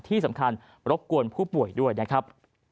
ที่สำคัญรบกวนผู้ป่วยด้วยนะครับ